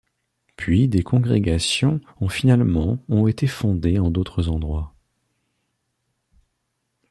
Puis des congrégations ont finalement ont été fondées en d'autres endroits.